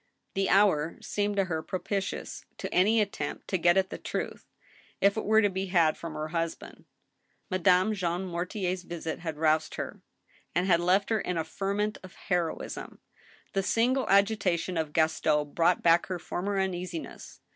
The hour seemed to her propitious to any attempt to get at the truth, if it were to be had from her husband. Madame Jean Mor tier's visit had roused her, and had left her in a ferment of heroism. The singular agitation of Gaston brought back her former uneasi ness.